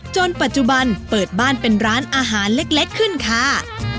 ปัจจุบันเปิดบ้านเป็นร้านอาหารเล็กขึ้นค่ะ